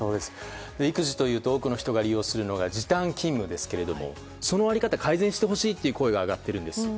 育児というと多くの人が利用するのが時短勤務ですがその在り方を改善してほしいという声が上がっています。